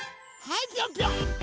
はい！